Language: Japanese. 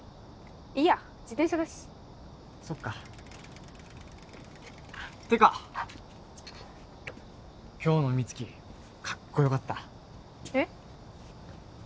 いいや自転車だしそっかってか今日の美月カッコよかったえっ？